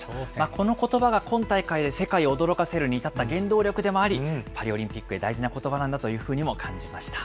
このことばが今大会で世界を驚かせるに至った原動力でもあり、パリオリンピックへ大事なことばなんだというふうにも感じました。